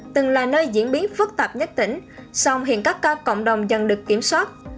từng là nơi diễn biến phức tạp nhất tỉnh song hiện các cộng đồng dần được kiểm soát